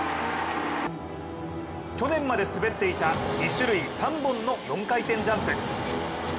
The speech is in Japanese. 去年まで滑っていた２種類３本の４回転ジャンプ。